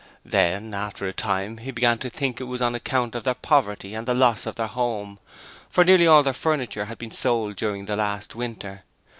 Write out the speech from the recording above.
Then, after a time, he began to think it was on account of their poverty and the loss of their home, for nearly all their furniture had been sold during the last winter.